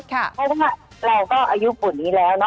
ถ้าบังก็อายุฝุ่นนี้แล้วเนอะ